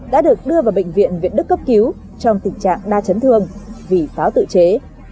đã được đưa vào bệnh viện việt đức cấp cứu trong tình trạng đa chấn thương vì pháo tự chế